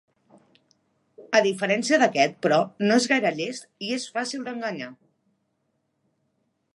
A diferència d'aquest, però, no és gaire llest i és fàcil d'enganyar.